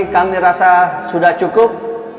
kami rasa sudah cukup